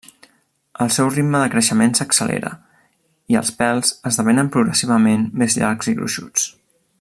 El seu ritme del creixement s'accelera i els pèls esdevenen progressivament més llargs i gruixuts.